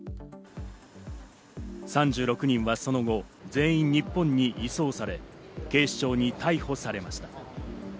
３６人はその後、全員日本に移送され、警視庁に逮捕されました。